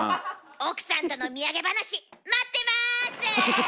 奥さんとの土産話待ってます！